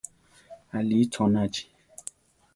Alíi chónachi.